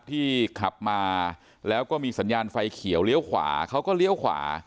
ที่ขับมาแล้วก็มีสัญญาณไฟเขียวเลี้ยวขวาเขาก็เลี้ยวขวา